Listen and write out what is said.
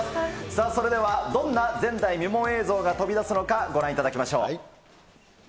さあそれでは、どんな前代未聞映像が飛び出すのか、ご覧いただきましょう。